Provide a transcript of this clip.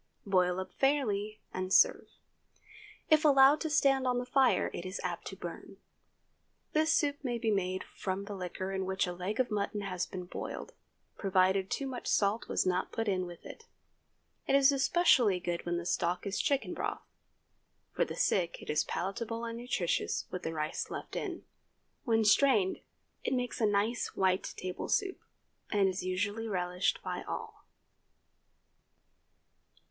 Boil up fairly, and serve. If allowed to stand on the fire, it is apt to burn. This soup may be made from the liquor in which a leg of mutton has been boiled, provided too much salt was not put in with it. It is especially good when the stock is chicken broth. For the sick it is palatable and nutritious with the rice left in. When strained it makes a nice white table soup, and is usually relished by all.